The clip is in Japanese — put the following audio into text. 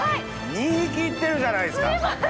２匹いってるじゃないですか。